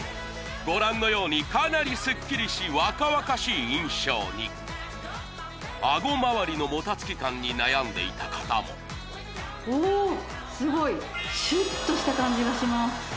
ご覧のようにかなりスッキリし若々しい印象にあごまわりのもたつき感に悩んでいた方もシュッとした感じがします